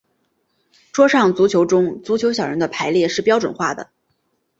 桌上足球中足球小人的排列是标准化的。